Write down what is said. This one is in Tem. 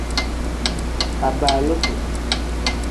Abaaluti.